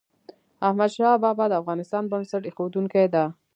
احمد شاه بابا د افغانستان بنسټ ایښودونکی ده.